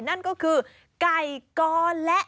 นั่นก็คือไก่กรและ